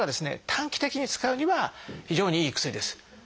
短期的に使うには非常にいい薬です。